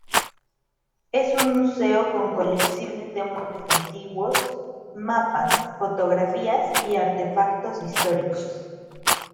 Es un Museo con colecciones de muebles antiguos, mapas, fotografías y artefactos históricos.